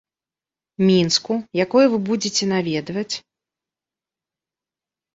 Мінску, якое вы будзеце наведваць?